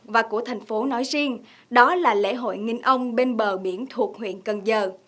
và của thành phố nói riêng đó là lễ hội nghìn ông bên bờ biển thuộc huyện cần giờ